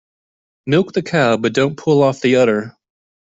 Milk the cow but don't pull off the udder.